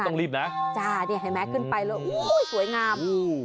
ต้องรีบนะจ้านี่เห็นไหมขึ้นไปแล้วอุ้ยสวยงามอืม